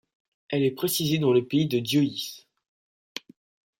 Elle est préciser dans le pays de Diois.